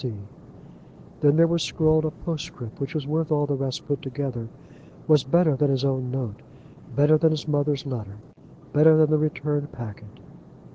C." Then there was scrawled a postscript which was worth all the rest put together, was better than his own note, better than his mother's letter, better than the returned packet.